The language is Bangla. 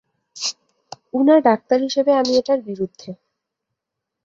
উনার ডাক্তার হিসাবে, আমি এটার বিরুদ্ধে।